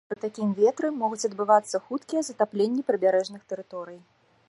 Пры такім ветры могуць адбывацца хуткія затапленні прыбярэжных тэрыторый.